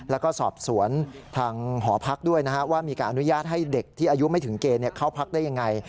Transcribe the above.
แล้วก็สอบสวนทางหอพักด้วยว่ามีการอนุญาตให้เด็กที่อายุไม่ถึงเกณฑ์เข้าพักได้ยังไง